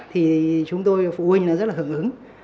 thì chúng tôi và phụ huynh rất là hưởng ứng